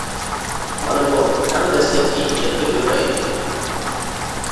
مانا بۇ ئەڭ دەسلەپكى «يەتتە بۆرە» ئىدى.